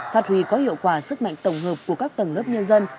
phát huy có hiệu quả sức mạnh tổng hợp của các tầng lớp nhân dân